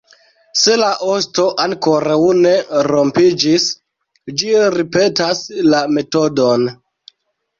Se la osto ankoraŭ ne rompiĝis, ĝi ripetas la metodon.